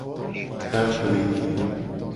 De agble.